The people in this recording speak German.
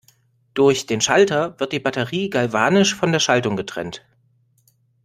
Durch den Schalter wird die Batterie galvanisch von der Schaltung getrennt.